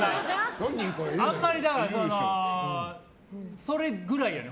あんまり、それぐらいやで。